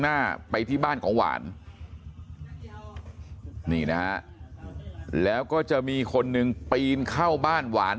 หน้าไปที่บ้านของหวานนี่นะฮะแล้วก็จะมีคนหนึ่งปีนเข้าบ้านหวาน